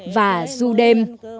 và ru đêm